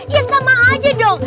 ya sama aja dong